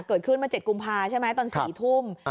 เกิดขึ้นมา๗กุมภาใช่ไหมตอน๔ทุ่ม